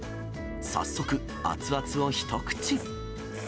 早速、熱々を一口。